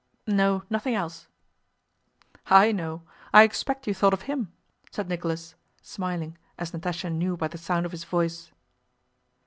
No, nothing else." "I know, I expect you thought of him," said Nicholas, smiling as Natásha knew by the sound of his voice.